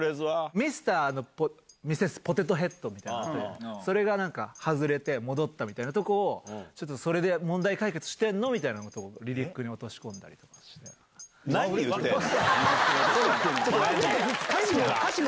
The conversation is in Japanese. ミスター＆ミセス・ポテトヘッドみたいなのがあって、外れて戻ったみたいなところを、ちょっとそれで問題解決してんの？みたいなの、リリックに落とし込何言ってんの？